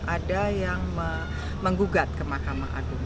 ada yang menggugat ke mahkamah agung